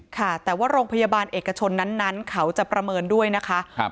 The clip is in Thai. ค่ะแต่ว่าโรงพยาบาลเอกชนนั้นเขาจะประเมินด้วยนะคะ